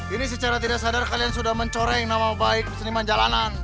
ini secara tidak sadar kalian sudah mencoreng nama baik seniman jalanan